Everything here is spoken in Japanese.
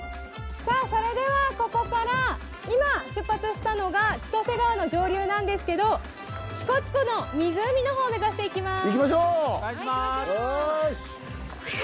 それではここから今、出発したのが千歳川の上流なんですけど、支笏湖の湖のほう目指していきます。